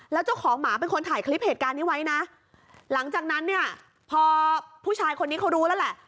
แล้วเจ้าของหมาเป็นคนถ่ายคลิปเหตุการณ์นี้ไว้นะหลังจากนั้นเนี่ยพอผู้ชายคนนี้เขารู้แล้วแหละ